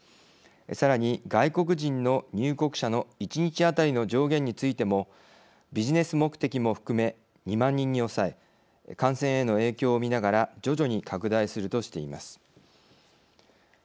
さらに、外国人の入国者の１日当たりの上限についてもビジネス目的も含め２万人に抑え感染への影響を見ながら徐々に拡大するとしています。